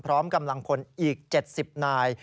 พร้อมกำลังพลอีก๗๐นาย